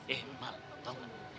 eh mal tau gak